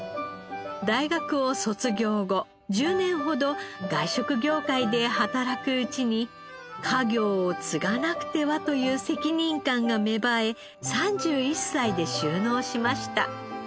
大学を卒業後１０年ほど外食業界で働くうちに家業を継がなくてはという責任感が芽生え３１歳で就農しました。